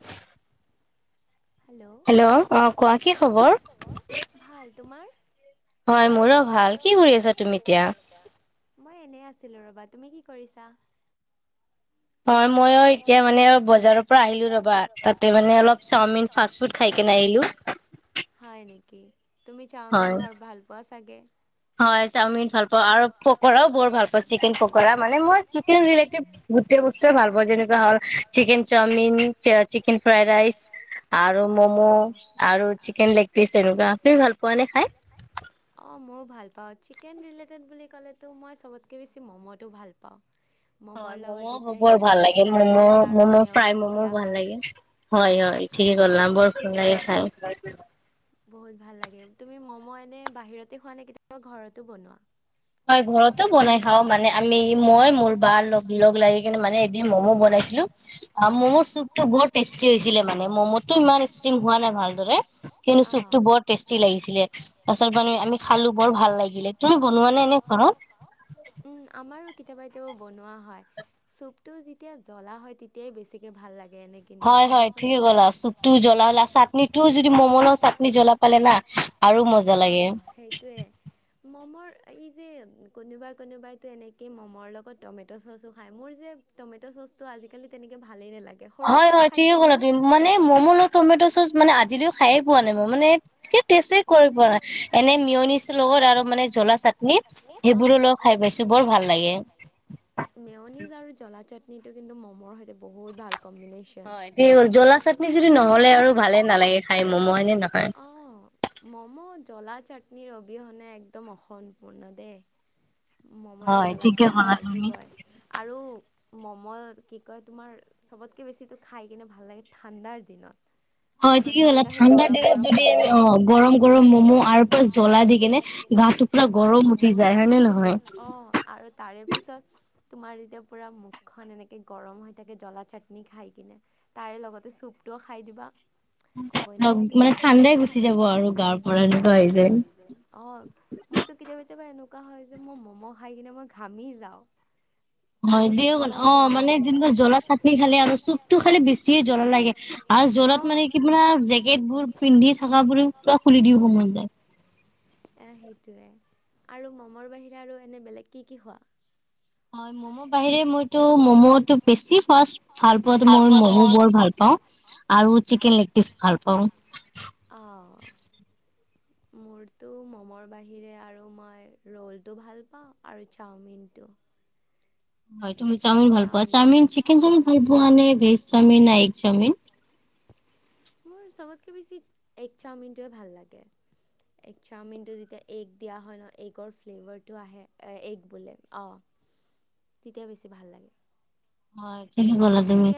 অ hello অ কোৱা কি খবৰ? ভাল। তোমাৰ? মই মোৰো ভাল। কি কৰি আছিলা তুমি এতিয়া? এনে আছিলো ৰবা তুমি কি কৰিছা? হয় মই এতিয়া মানে বজাৰৰ পৰা আহিলো ৰবা তাতে মানে অলপ চাওমিন ফাষ্ট ফুড খাই কেনে আহিলো নেকি তুমি চাওমিনৰ ভৰ ভাল পোৱা চো- তাকে হয় চাওমিন ভাল পাওঁ আৰু পকৰাও বৰ ভাল পাওঁ, চিকেন পকৰা মানে মই চিকেনলে গোটেই বস্তুৱ ভাল পাওঁ যেনেকুৱা হল chicken chowmein, chicken fried rice আৰু মম' আৰু চিকেন লেগ পিচ এনেকুৱা তুমি ভাল পোৱা নে খাই? চিকেন ৰিলেটেড বুলি ক'লেতো মই চবতকে বেছি ম'ম'টো ভাল পাওঁ। হয় মম' মোৰ বৰ ভাল লাগে মম মম' ফ্ৰাই মমো ভাল লাগে হয় হয় ঠিকে কলা বৰ ভাল লাগে খাই। বহুত ভাল লাগে তুমি ম'ম' এনে বাহিৰতে খোৱা নে কেতিয়াবা ঘৰতো বনোৱা হয় ঘৰতো বনাই খাও মানে আমি মই মোৰ বাৰ লগ লগ লাগি কিনে মানে এদিন ম'মো বনাইছিলো অ ম'মোৰ চুপতো বহুত টেষ্টি হৈছিলে মানে ম'ম'তটো ইমান ষ্টিম হোৱা নাই ভালদৰে কিন্তু চুপটো বৰ টেষ্টি লাগিছিলে তাৰপিছত মানে আমি খালো বৰ ভাল লাগিলে তুমি বনোৱা নে কি কৰ কেতিয়াবা কেতিয়াবা বনোৱা হয় চুপটো যেতিয়া জ্বলা হয় তেতিয়াই বেছিকে ভাল লাগে। নে কিন্তু হয় ঠিকে গ'ল আৰু চুপটো জ্বলা হললে চাটনিটো যদি মমনৰ চাটনি জ্বলা পালে না আৰু মজা লাগে এই যে কোনোবাই কোনোবাইতো এনেকেই ম'মৰ লগত টমেট' চ'চো খাই মোৰ যে টমেট' চ'চ টো আজিকালি তেনেকে ভালেই নেলাগে। সৰু থাকোতে ঠিকে ক'ল তুমি মানে ম'ম লগ টমেট' চ'চ মানে আজিলৈও খায়ে পোৱা নাই মই মানে অ মেঅনিজ আৰু জ্বলা চাটনি সেইটো কিন্তু মমৰ সৈতে বহুত ভাল। হয় হল জ্বলা চাটনি যদি নহ'লে আৰু ভালে নালাগে খাই মমো হয়নে নহয় মম' জ্বলা চাটনিৰ অবিহনে একদম অসম্পূৰ্ণ দেই মমলৈ জ্বলা চাটনি লাগিবই আৰু ম'ম' কি কয় তোমাৰ চবতকে বেছি খাই কিনে ভাল লাগে ঠাণ্ডাৰ দিনত হয় ঠিকে কলা ঠাণ্ডা দিনত যদি অ গৰম গৰম ম'ম' আৰু পৰা জলা দি কেনে গাটো পুৰা গৰম উঠি যায় হয়নে নহয়? পিছত তোমাৰ এতিয়া পুৰা মুখখন এনেকে গৰম হৈ থাকে জলা চাটনি খাই কিনে তাৰে লগতে চুপটোও খাই দিবা। নম, মানে চানদে গুচি যাব অ আৰু। মোৰতো কেতিয়াবা। কেতিয়াবা এনেকুৱা হয় যে মই ম'ম' খাই কিনে মই ঘামি যাওঁ। হয় দিওঁ গল, অ মানে জুনবোৰ জ্বলা চাটনি খালে আৰু চুপটো খালে বেছিয়ে জ্বলা লাগে আৰু জ্বলাত মানে কিতনুমা জেকেট বোৰ পিন্ধি থকা বোৰো পোৱা। চোৱা খুলি দিওঁগম নাপাই। এ সেইটোৱে আৰু মমৰ বাহিৰে আৰু এনে বেলেগ কি কি খোৱা। হয় মমোৰ বাহিৰে মইতো। মম টো বেছি ফাৰ্ষ্ট ভাল পোৱাটো মই মম বৰ ভাল পাওঁ আৰু ছিকেন লেক। ইছ ভাল পাওঁ। অ, মোৰতো মমৰ বাহিৰে আৰু মই ৰলটো ভাল পাওঁ আৰু চাওমিনটো। হয়। তুমি চাওমিন ভাল পোৱা, চাওমিন চিকেন চাওমিন ভাল পোৱা নে ভেজ চাওমিন ন এগ চাওমিন। মই চবতকে বেছি এগ চাওমিনটোৱে ভাল লাগে, এগ চাওমিনটো যেতিয়া এগ দিয়া হয় ন এগৰ ফ্লেভাৰটো আহে এগ বোলে অ তেতিয়া বেছি। ভাল লাগে। হয়। কি কি গলা তুমি,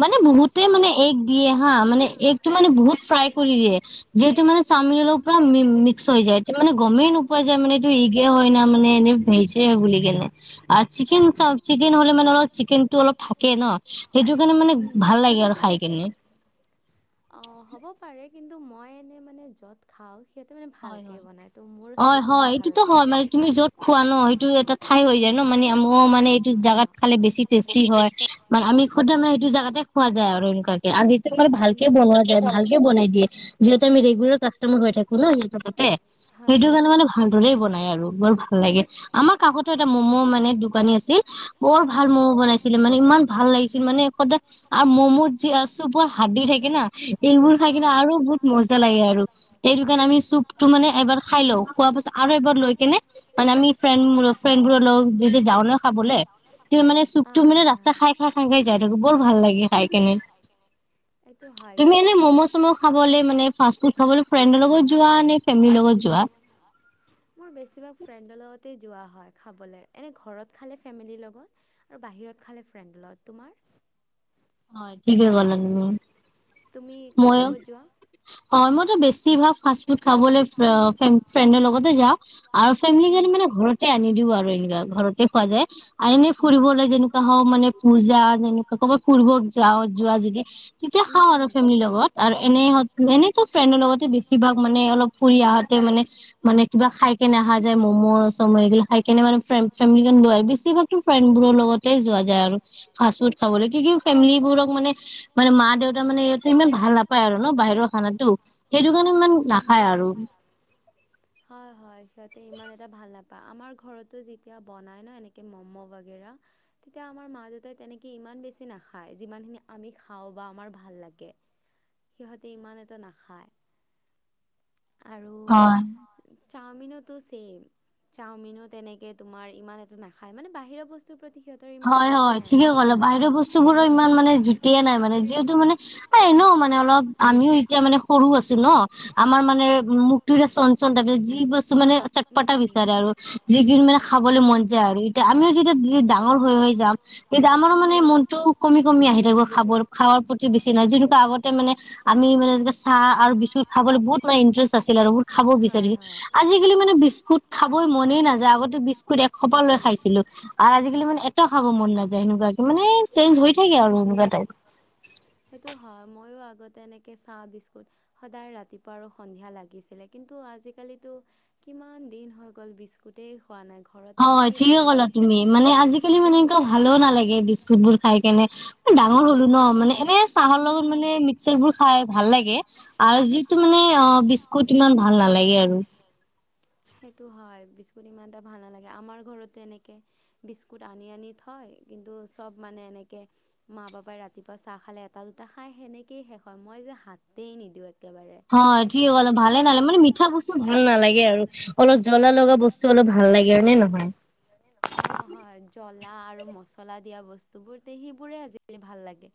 মানে বহুতে মানে এগ দিয়ে হা মানে এগতটো মানে বহুত ফ্ৰাই। কৰি দিয়ে যিহেতু মানে। চাওমিন অলপ পা মী মিক্স হৈ যায়, মানে গমেই নোপোৱা যায় মানে এইটো ইগে হয় না মানে নে ভেইজে বুলি কেনে আৰু চিকেন চাফ চিকেন হ। অলপ চিকেনটো অলপ থাকে ন সেইটো কাৰণে মানে ভাল লাগে আৰু খাই কিনী। এ কিন্তূ মই এনে মানে জত। খাওঁ। হয় য় হয় হয় এইটোতো হয় মানে তুমি য'ত খোৱা ন সেইটো এটা ঠাই হৈ যায় ন মানে আম মানে এইটো জাগাত খালে বেছি টেষ্টি হয়, মানে আমি স মানে সেইটো জোতে খোৱা যায় আৰু এনেকুৱে আৰু স ভালকে বনোৱা যায় ভালকে বনাই দিয়ে যিহেততে আম ৰেগুলাৰ কাষ্টমাৰ হৈ থাকোঁ ন হী। তাতে সেইটো কাৰণে মানে ভালদৰে বনাই আৰু বৰ ভাল লাগে আমাৰ কাাকতো এটা ম'ম' মানে দোকানী আছিল বৰ ভাল ম'ম' বনাইছিলে মানে ইমান ভাল লাগিছিল মানে, এ আৰু ম'মো যি চুপৰ হাতি থাকে না, এইবোৰ খাই কিনে আৰু বহুত মজা লাগে। সেয়াই আৰু, সেতু কাৰণে আমি চৌপ। টো মানে এবাৰ খাই লও খোৱা পাছত আৰু এবাৰ লৈ কেনে মানে আমি ফ্ৰেণ্ড ফ্ৰেডবোৰৰ লগ যাও যাওঁ ন, খাবলৈ তে মানে চুপ মানে ৰাস্তা খাই খাই খাই খাই যাই থাকো বৰ ভাল লাগে খাই কেনে, তুমি এনে ম'ম' চম' খাবলে মানে ফাৰ্ষ্ট ফুড। খাবলৈ ফ্ৰেণ্ডৰ লগত যোৱা নে? মোৰ বেছিভাগ ফ্ৰেইণ্ড অৰ লগত তে যোৱা হয় খাবলে, এনে ঘৰত খালে ফেমিলিৰ লগত আৰু বাহিৰত খালে ফ্ৰেড লগত তোমাৰ? হয় ঠিকেই কলা তুমি তুমি কাৰ লগত যোৱা? হয় মইতো বেছি ভাগ ফাষ্ট ফুড খাবলৈ ফ্ৰেণ্ডৰ লগতে যাওঁ আৰু ফেমি কাৰ মানে ঘৰতে আনি দিও আৰু এনে ঘৰতে খোৱা যায় আনি ফুৰিবলৈ যেনেকোৱা হাওঁ মান পূজাৰবাত ফুৰিব যাও যায় যোৱা তেতিয়া খাওঁ আৰু সেৰি লগত আৰু এনে এনে ফ্ৰেণ্ডৰ লগতে বেছিভাগ মানে অলপ ফুৰি আহাতে মানে মানে কিবা খাই কেনে অহা যায় ম'ম' চম' এইগিলাক খাই কেনে মানে ফ ফেমি লোৱা বেছিভাগো ফ্ৰেণ্ডবোৰৰ লগতে যোৱা যায় আৰু। ফাষ্ট ফুড খাবলৈ কি কি ফেমিলোৰক মানে মানে মা দেউতা মানে ই ইমান ভাল নাপায় আৰু ন বাহিৰৰ খানাত টো সেইটো কাৰণে ইমান নাখায় আৰু সিহঁতে ইমান এটা ভাল নাপায় আমাৰ ঘৰতো যেতিয়া বনাই ন এনেকে ম'ম' বাগেৰা, তেতিয়া আমাৰ মা দেউতাই তেনেকে ইমান বেছি নাখায় যিমানখিনি আমি খাওঁ বা আমাৰ ভাল লাগে। সিহঁতে ইমান এটা নাখা হয় হয় চাওমিনতো ছেম চাওমিনো তেনেকে তোমাৰ ইমান এটা নাখায় মানে বাহিৰৰ বস্তুৰ প্ৰতি হয় হয় ঠিকে ক'লা বাহিৰৰ বস্তু বোৰো ইমান মানে জু তিয়ে নাই মানে, যিহেতু মানে এই ন মানে অলপ আমিও এতিয়া মানে সৰু আছো ন, আমাৰ মানে মুখটো যে চনঢল তাপা যি বস্তু টো মানে চটপটা বিচাৰে আৰু, যিকিনি মানে খাবলৈ মন যায় আৰু, এতিয়া আমিও যেতিয়া ডাঙৰ হৈ হৈ যাম। আমাৰো মানে মনটো কমি কমি আহি থাকিব খাব খাৱাৰ প্ৰতি বেছি নাই যা আগতে মানে আমি মানে চাহ আৰু বিচকুট খাবলৈ বহুত মানে ইন্টাৰেষ্ট আছিল আৰু বহুত খাব বিচাৰিছিল আজি কালি মানে বিস্কুত খাবই মনেই নাযায়, আগতে বিস্কুট এসোপাহ লৈ খাইছিলো। আৰু আজিকালি মানে খাব মন নাযায় সেনেকোৱা মানে চেঞ্জ হৈ থাকে আৰু এনেকুৱা টাইপ অ ময়ো আগতে এনেকে চাহ বিস্কুট সদায় ৰাতিপুৱা আৰু সন্ধিয়া লাগিছিলে। কিন্তু আজিকালিটো কিমান দিন হৈ গ'ল বিস্কুটেই হয় ঠিকে কলা তুমি মানে আজিকালি মানে ভালো নালাগে বিস্কুট বোৰ খাই কেনে। ডাঙৰ হলো ন মানে এনে চাহৰ লগত মানে মিক্সাৰ বোৰ খাই ভাল লাগে, আৰু যিটো মানে অ বিস্কুট ইমান ভাল নালাগে আৰু। সেইটো হয় বিস্কুট ইমান এটা ভাল নালাগে। আমাৰ ঘৰতো এনেকৈ বিস্কুট আনি আনি থয়, কিন্তু চব মানে এনেকে মা বাপাই ৰাতিপুৱা চাহ খালে এটা দুটা খাই সেনেকেই শেষ হয়। মই যে হাতেই নিদিওঁ হয় ঠিক অল ভালে নালাগে মানে মিঠা বস্তু ভাল নালাগে আৰু। [unintelligible] অলপ জ্বলা লগা বস্তু অলপ ভাল লাগে আৰু নে নহয় অ হয় জ্বলা আৰু মছলা দিয়া বস্তু বোৰ তে সেইবোৰে আজিকালি ভাল লাগে।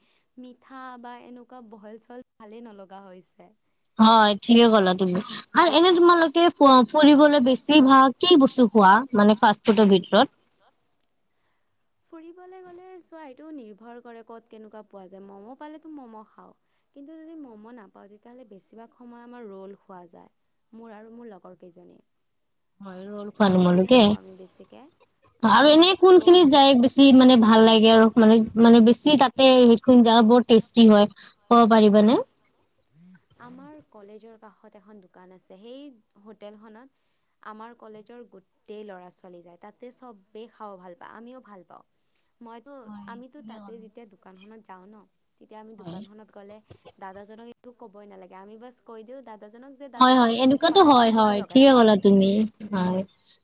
মিঠা বা এনেকুৱা বহল চল ভালে নলগা হৈছে হয় ঠিকে ক'লা তুমি। আৰু এনে তোমালোকে ফুৰিবলৈ বেছি ভাল কি বস্তু [unintelligible] কলে গলে চোৱা এইটো নিৰ্ভৰ কৰে ক'ত কেনেকুৱা পোৱা যায়। ম'ম' পালটো ম'ম' খাওঁ। কিন্তু যদি ম'ম' নাপাওঁ তেতিয়াহ'লে বেছিভাগ সময় আমাৰ ৰোল খোৱা যায়। মোৰ আৰু মোৰ লগৰ কেইজনীৰ। হয় খোৱা তোমালোকে! আৰু এনে কোন খিনি যায় বেছি মানে ভাল লাগে আৰু মানে মানে বেছি তাত, সেইখন জা বৰ টেষ্টি হয়। আমাৰ কলেজৰ কাষত এখন দোকান আছে। সেই হোটেল খনত আমাৰ কলেজৰ গোটেই লৰা ছোৱালী যায়, তাতে চবেই খাব ভাল পায় আমিও ভাল পাওঁ। মইতো আমিতো তাতে যেতিয়া দোকানখনত যাওঁ ন তেতিয়া আমি দোকানখনত গ'লে দাদাজনক একো ক'বই নালাগে আমি বাছ কৈ দিওঁ দাদ হয় হয় এনেকুৱাতটো হয় হয় ঠিকে কলা তুমি হয়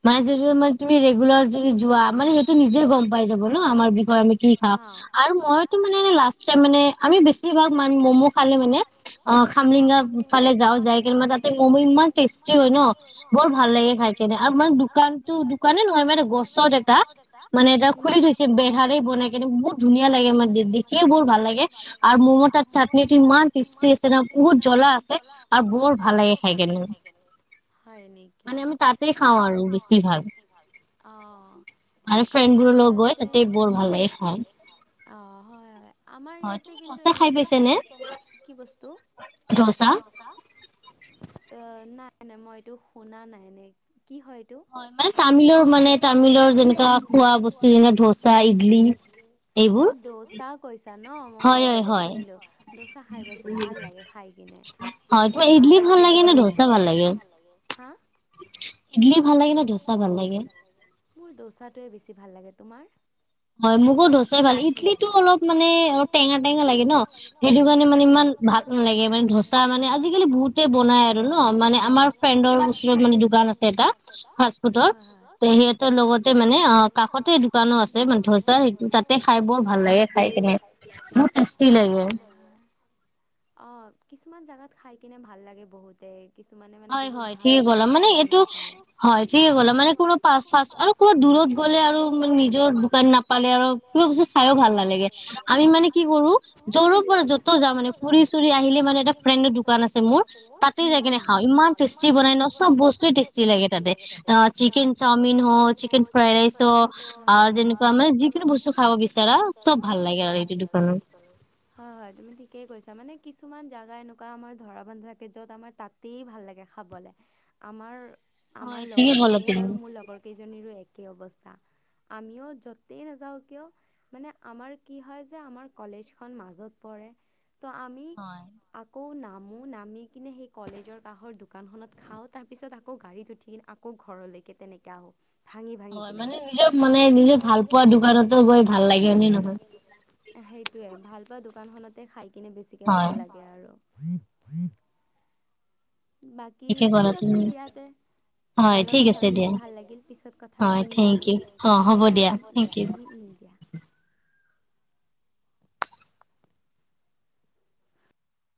ম যদি মানে তুমি ৰেগুলাৰ যদি যোৱা মানে সেই নিজে গম পাই যাব ন আমাৰ আমি কি খাওঁ আৰু মই টো মানে লাছ ত মানে আমি বেছিভাগ মান ম'ম' খালে মানে অ খামলিঙগা ফালে যাওঁ যাই। মানে তাতে মমো ইমান টেষ্টি হয় ন বৰ ভাল লাগে খাই কেনে আৰু মানে দোকানতো দোকানে নহয় মাৰ গছত এটা মানে এটা খুলি থৈছে বেহাৰে বনাই কেনে বহুত ধুনীয়া লাগে মান দেখিয়ে বৰ ভাল লাগে আৰু মমো তাত চাটনিটো ইমান টেষ্টি আছে না বহুত জ্বলা আছে আৰু বৰ হয় নেকি, অ এনে আমাৰ ইয়াতে অ হয় হয়। আমাৰ ইয়াতে কিন্তু এনে খাই পাইছে ন কি বস্তু? অ নাই নাই মই এইটো শুনা নাই এনে। কি হয় এইটো তামিলৰ মানে তামিলৰ যেনে খোৱা বস্তু দোচা ইডলি অ দোচা। জানি মই মানে বেলেগ শুনিলো, দচা খাই পাইছো ভাল লাগে খাই কিনে মোৰ মায়ে মাজে মাজে আনে ভাল লাগ হা [unintelligible] মোৰ ডোছা ট বেছি ভাল লাগে তোমাৰ? হয় মোকো ডোছাই ভাল লাগে, ইডলিটো অলপ মানে অ টেঙা টেঙা লাগে ন সেইটো কাৰণে মানে ইমান ভাল নালাগে মানে ধচা মানে আজিকালি বহুতে বনাই আৰু ন মানে আমাৰ ফ্ৰেণ্ডৰ ওচৰত মানে দোকান আছে এটা। ফাষ্ট ফুডৰ তে সিহঁতৰ লগতে মানে অ কাষতে দোকানো আছে ধচা সেই তাতে খাই বৰ ভাল লাগে খাই কিনে বৰ টেষ্টি লাগে কিছুমান জেগাত খাই কিনে ভাল লাগে বহুতে কিছুমানে মানে বহুত ভালকৈ ধুনীয়াকৈ বনাব পাৰে হয় ঠিকে কলা মানে কোন ফষ আৰুবাত দূৰত গ'লে আৰু মানে নিজৰ দোকান নাপালে আৰু কিবা বস্তু খাইো ভাল নালাগে আমি মানে কি কৰো যৰৰ পৰা যত যাওঁ মানে ফুৰি চুৰি আহিলে মানে এটা ফ্ৰেণ্ডৰ দোকান আছে মোৰ তাতে যায় কেনে অ ইমান টেষ্টি বনাই ন চব বস্তুয়ে টেষ্টি লাগে তাতে, যচাল ল [inaudible] ছিকেন চব বিচৰা ঠিকেই কৈছা মানে কিছুমান জেগা এনেকুৱা আমাৰ ধৰা বান্ধ থাকে য'ত আমাৰ তাতেই ভাল লাগে খাবলে আমাৰ আমাৰ লগৰ মোৰ আৰু মোৰ লগৰ কেইজনীৰো একে অৱস্থা আমিও য'তেই নাযাওঁ কিয় মানে আমাৰ কি হয় যে আমাৰ কলেজখন মাজত পৰে। তো আমি আকৌ নাম মও নামি কিনে সেই কলেজৰ কাষৰ দোকানখনত খাওঁ, তাৰ পিছত আকৌ গাড়ীত উঠি আকৌ ঘৰলৈকে তেনেকে আহো। ভাঙি ভাঙি কিনে, [unintelligible] সেইটোৱেই ভাল বা দোকানখনতে খাই কিনে বেছিকে ভাল লাগে আৰু। বাকী ঠিক আছে দিয়া তে। তোমালৈ কথা পাতি কিনে ভাল লাগিল, পিছত কথা পাতিম দিয়া আৰু উম উম দিয়া।